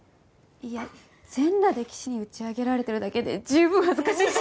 いや全裸で岸に打ち上げられてるだけで十分恥ずかしいし！